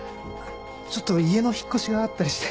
ちょっと家の引っ越しがあったりして。